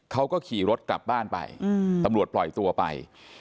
เขาก็ขี่รถกลับบ้านไปตำรวจปล่อยตัวไป